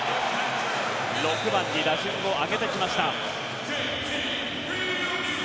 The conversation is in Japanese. ６番に打順を上げてきました。